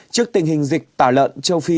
trước tình hình dịch tả lợn châu phi